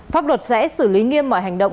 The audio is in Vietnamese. pháp luật sẽ xử lý nghiêm mọi hành động